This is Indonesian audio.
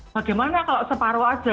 bagaimana kalau separuh aja